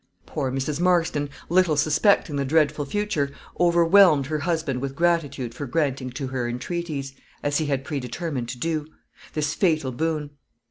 Poor Mrs. Marston, little suspecting the dreadful future, overwhelmed her husband with gratitude for granting to her entreaties (as he had predetermined to do) this fatal boon.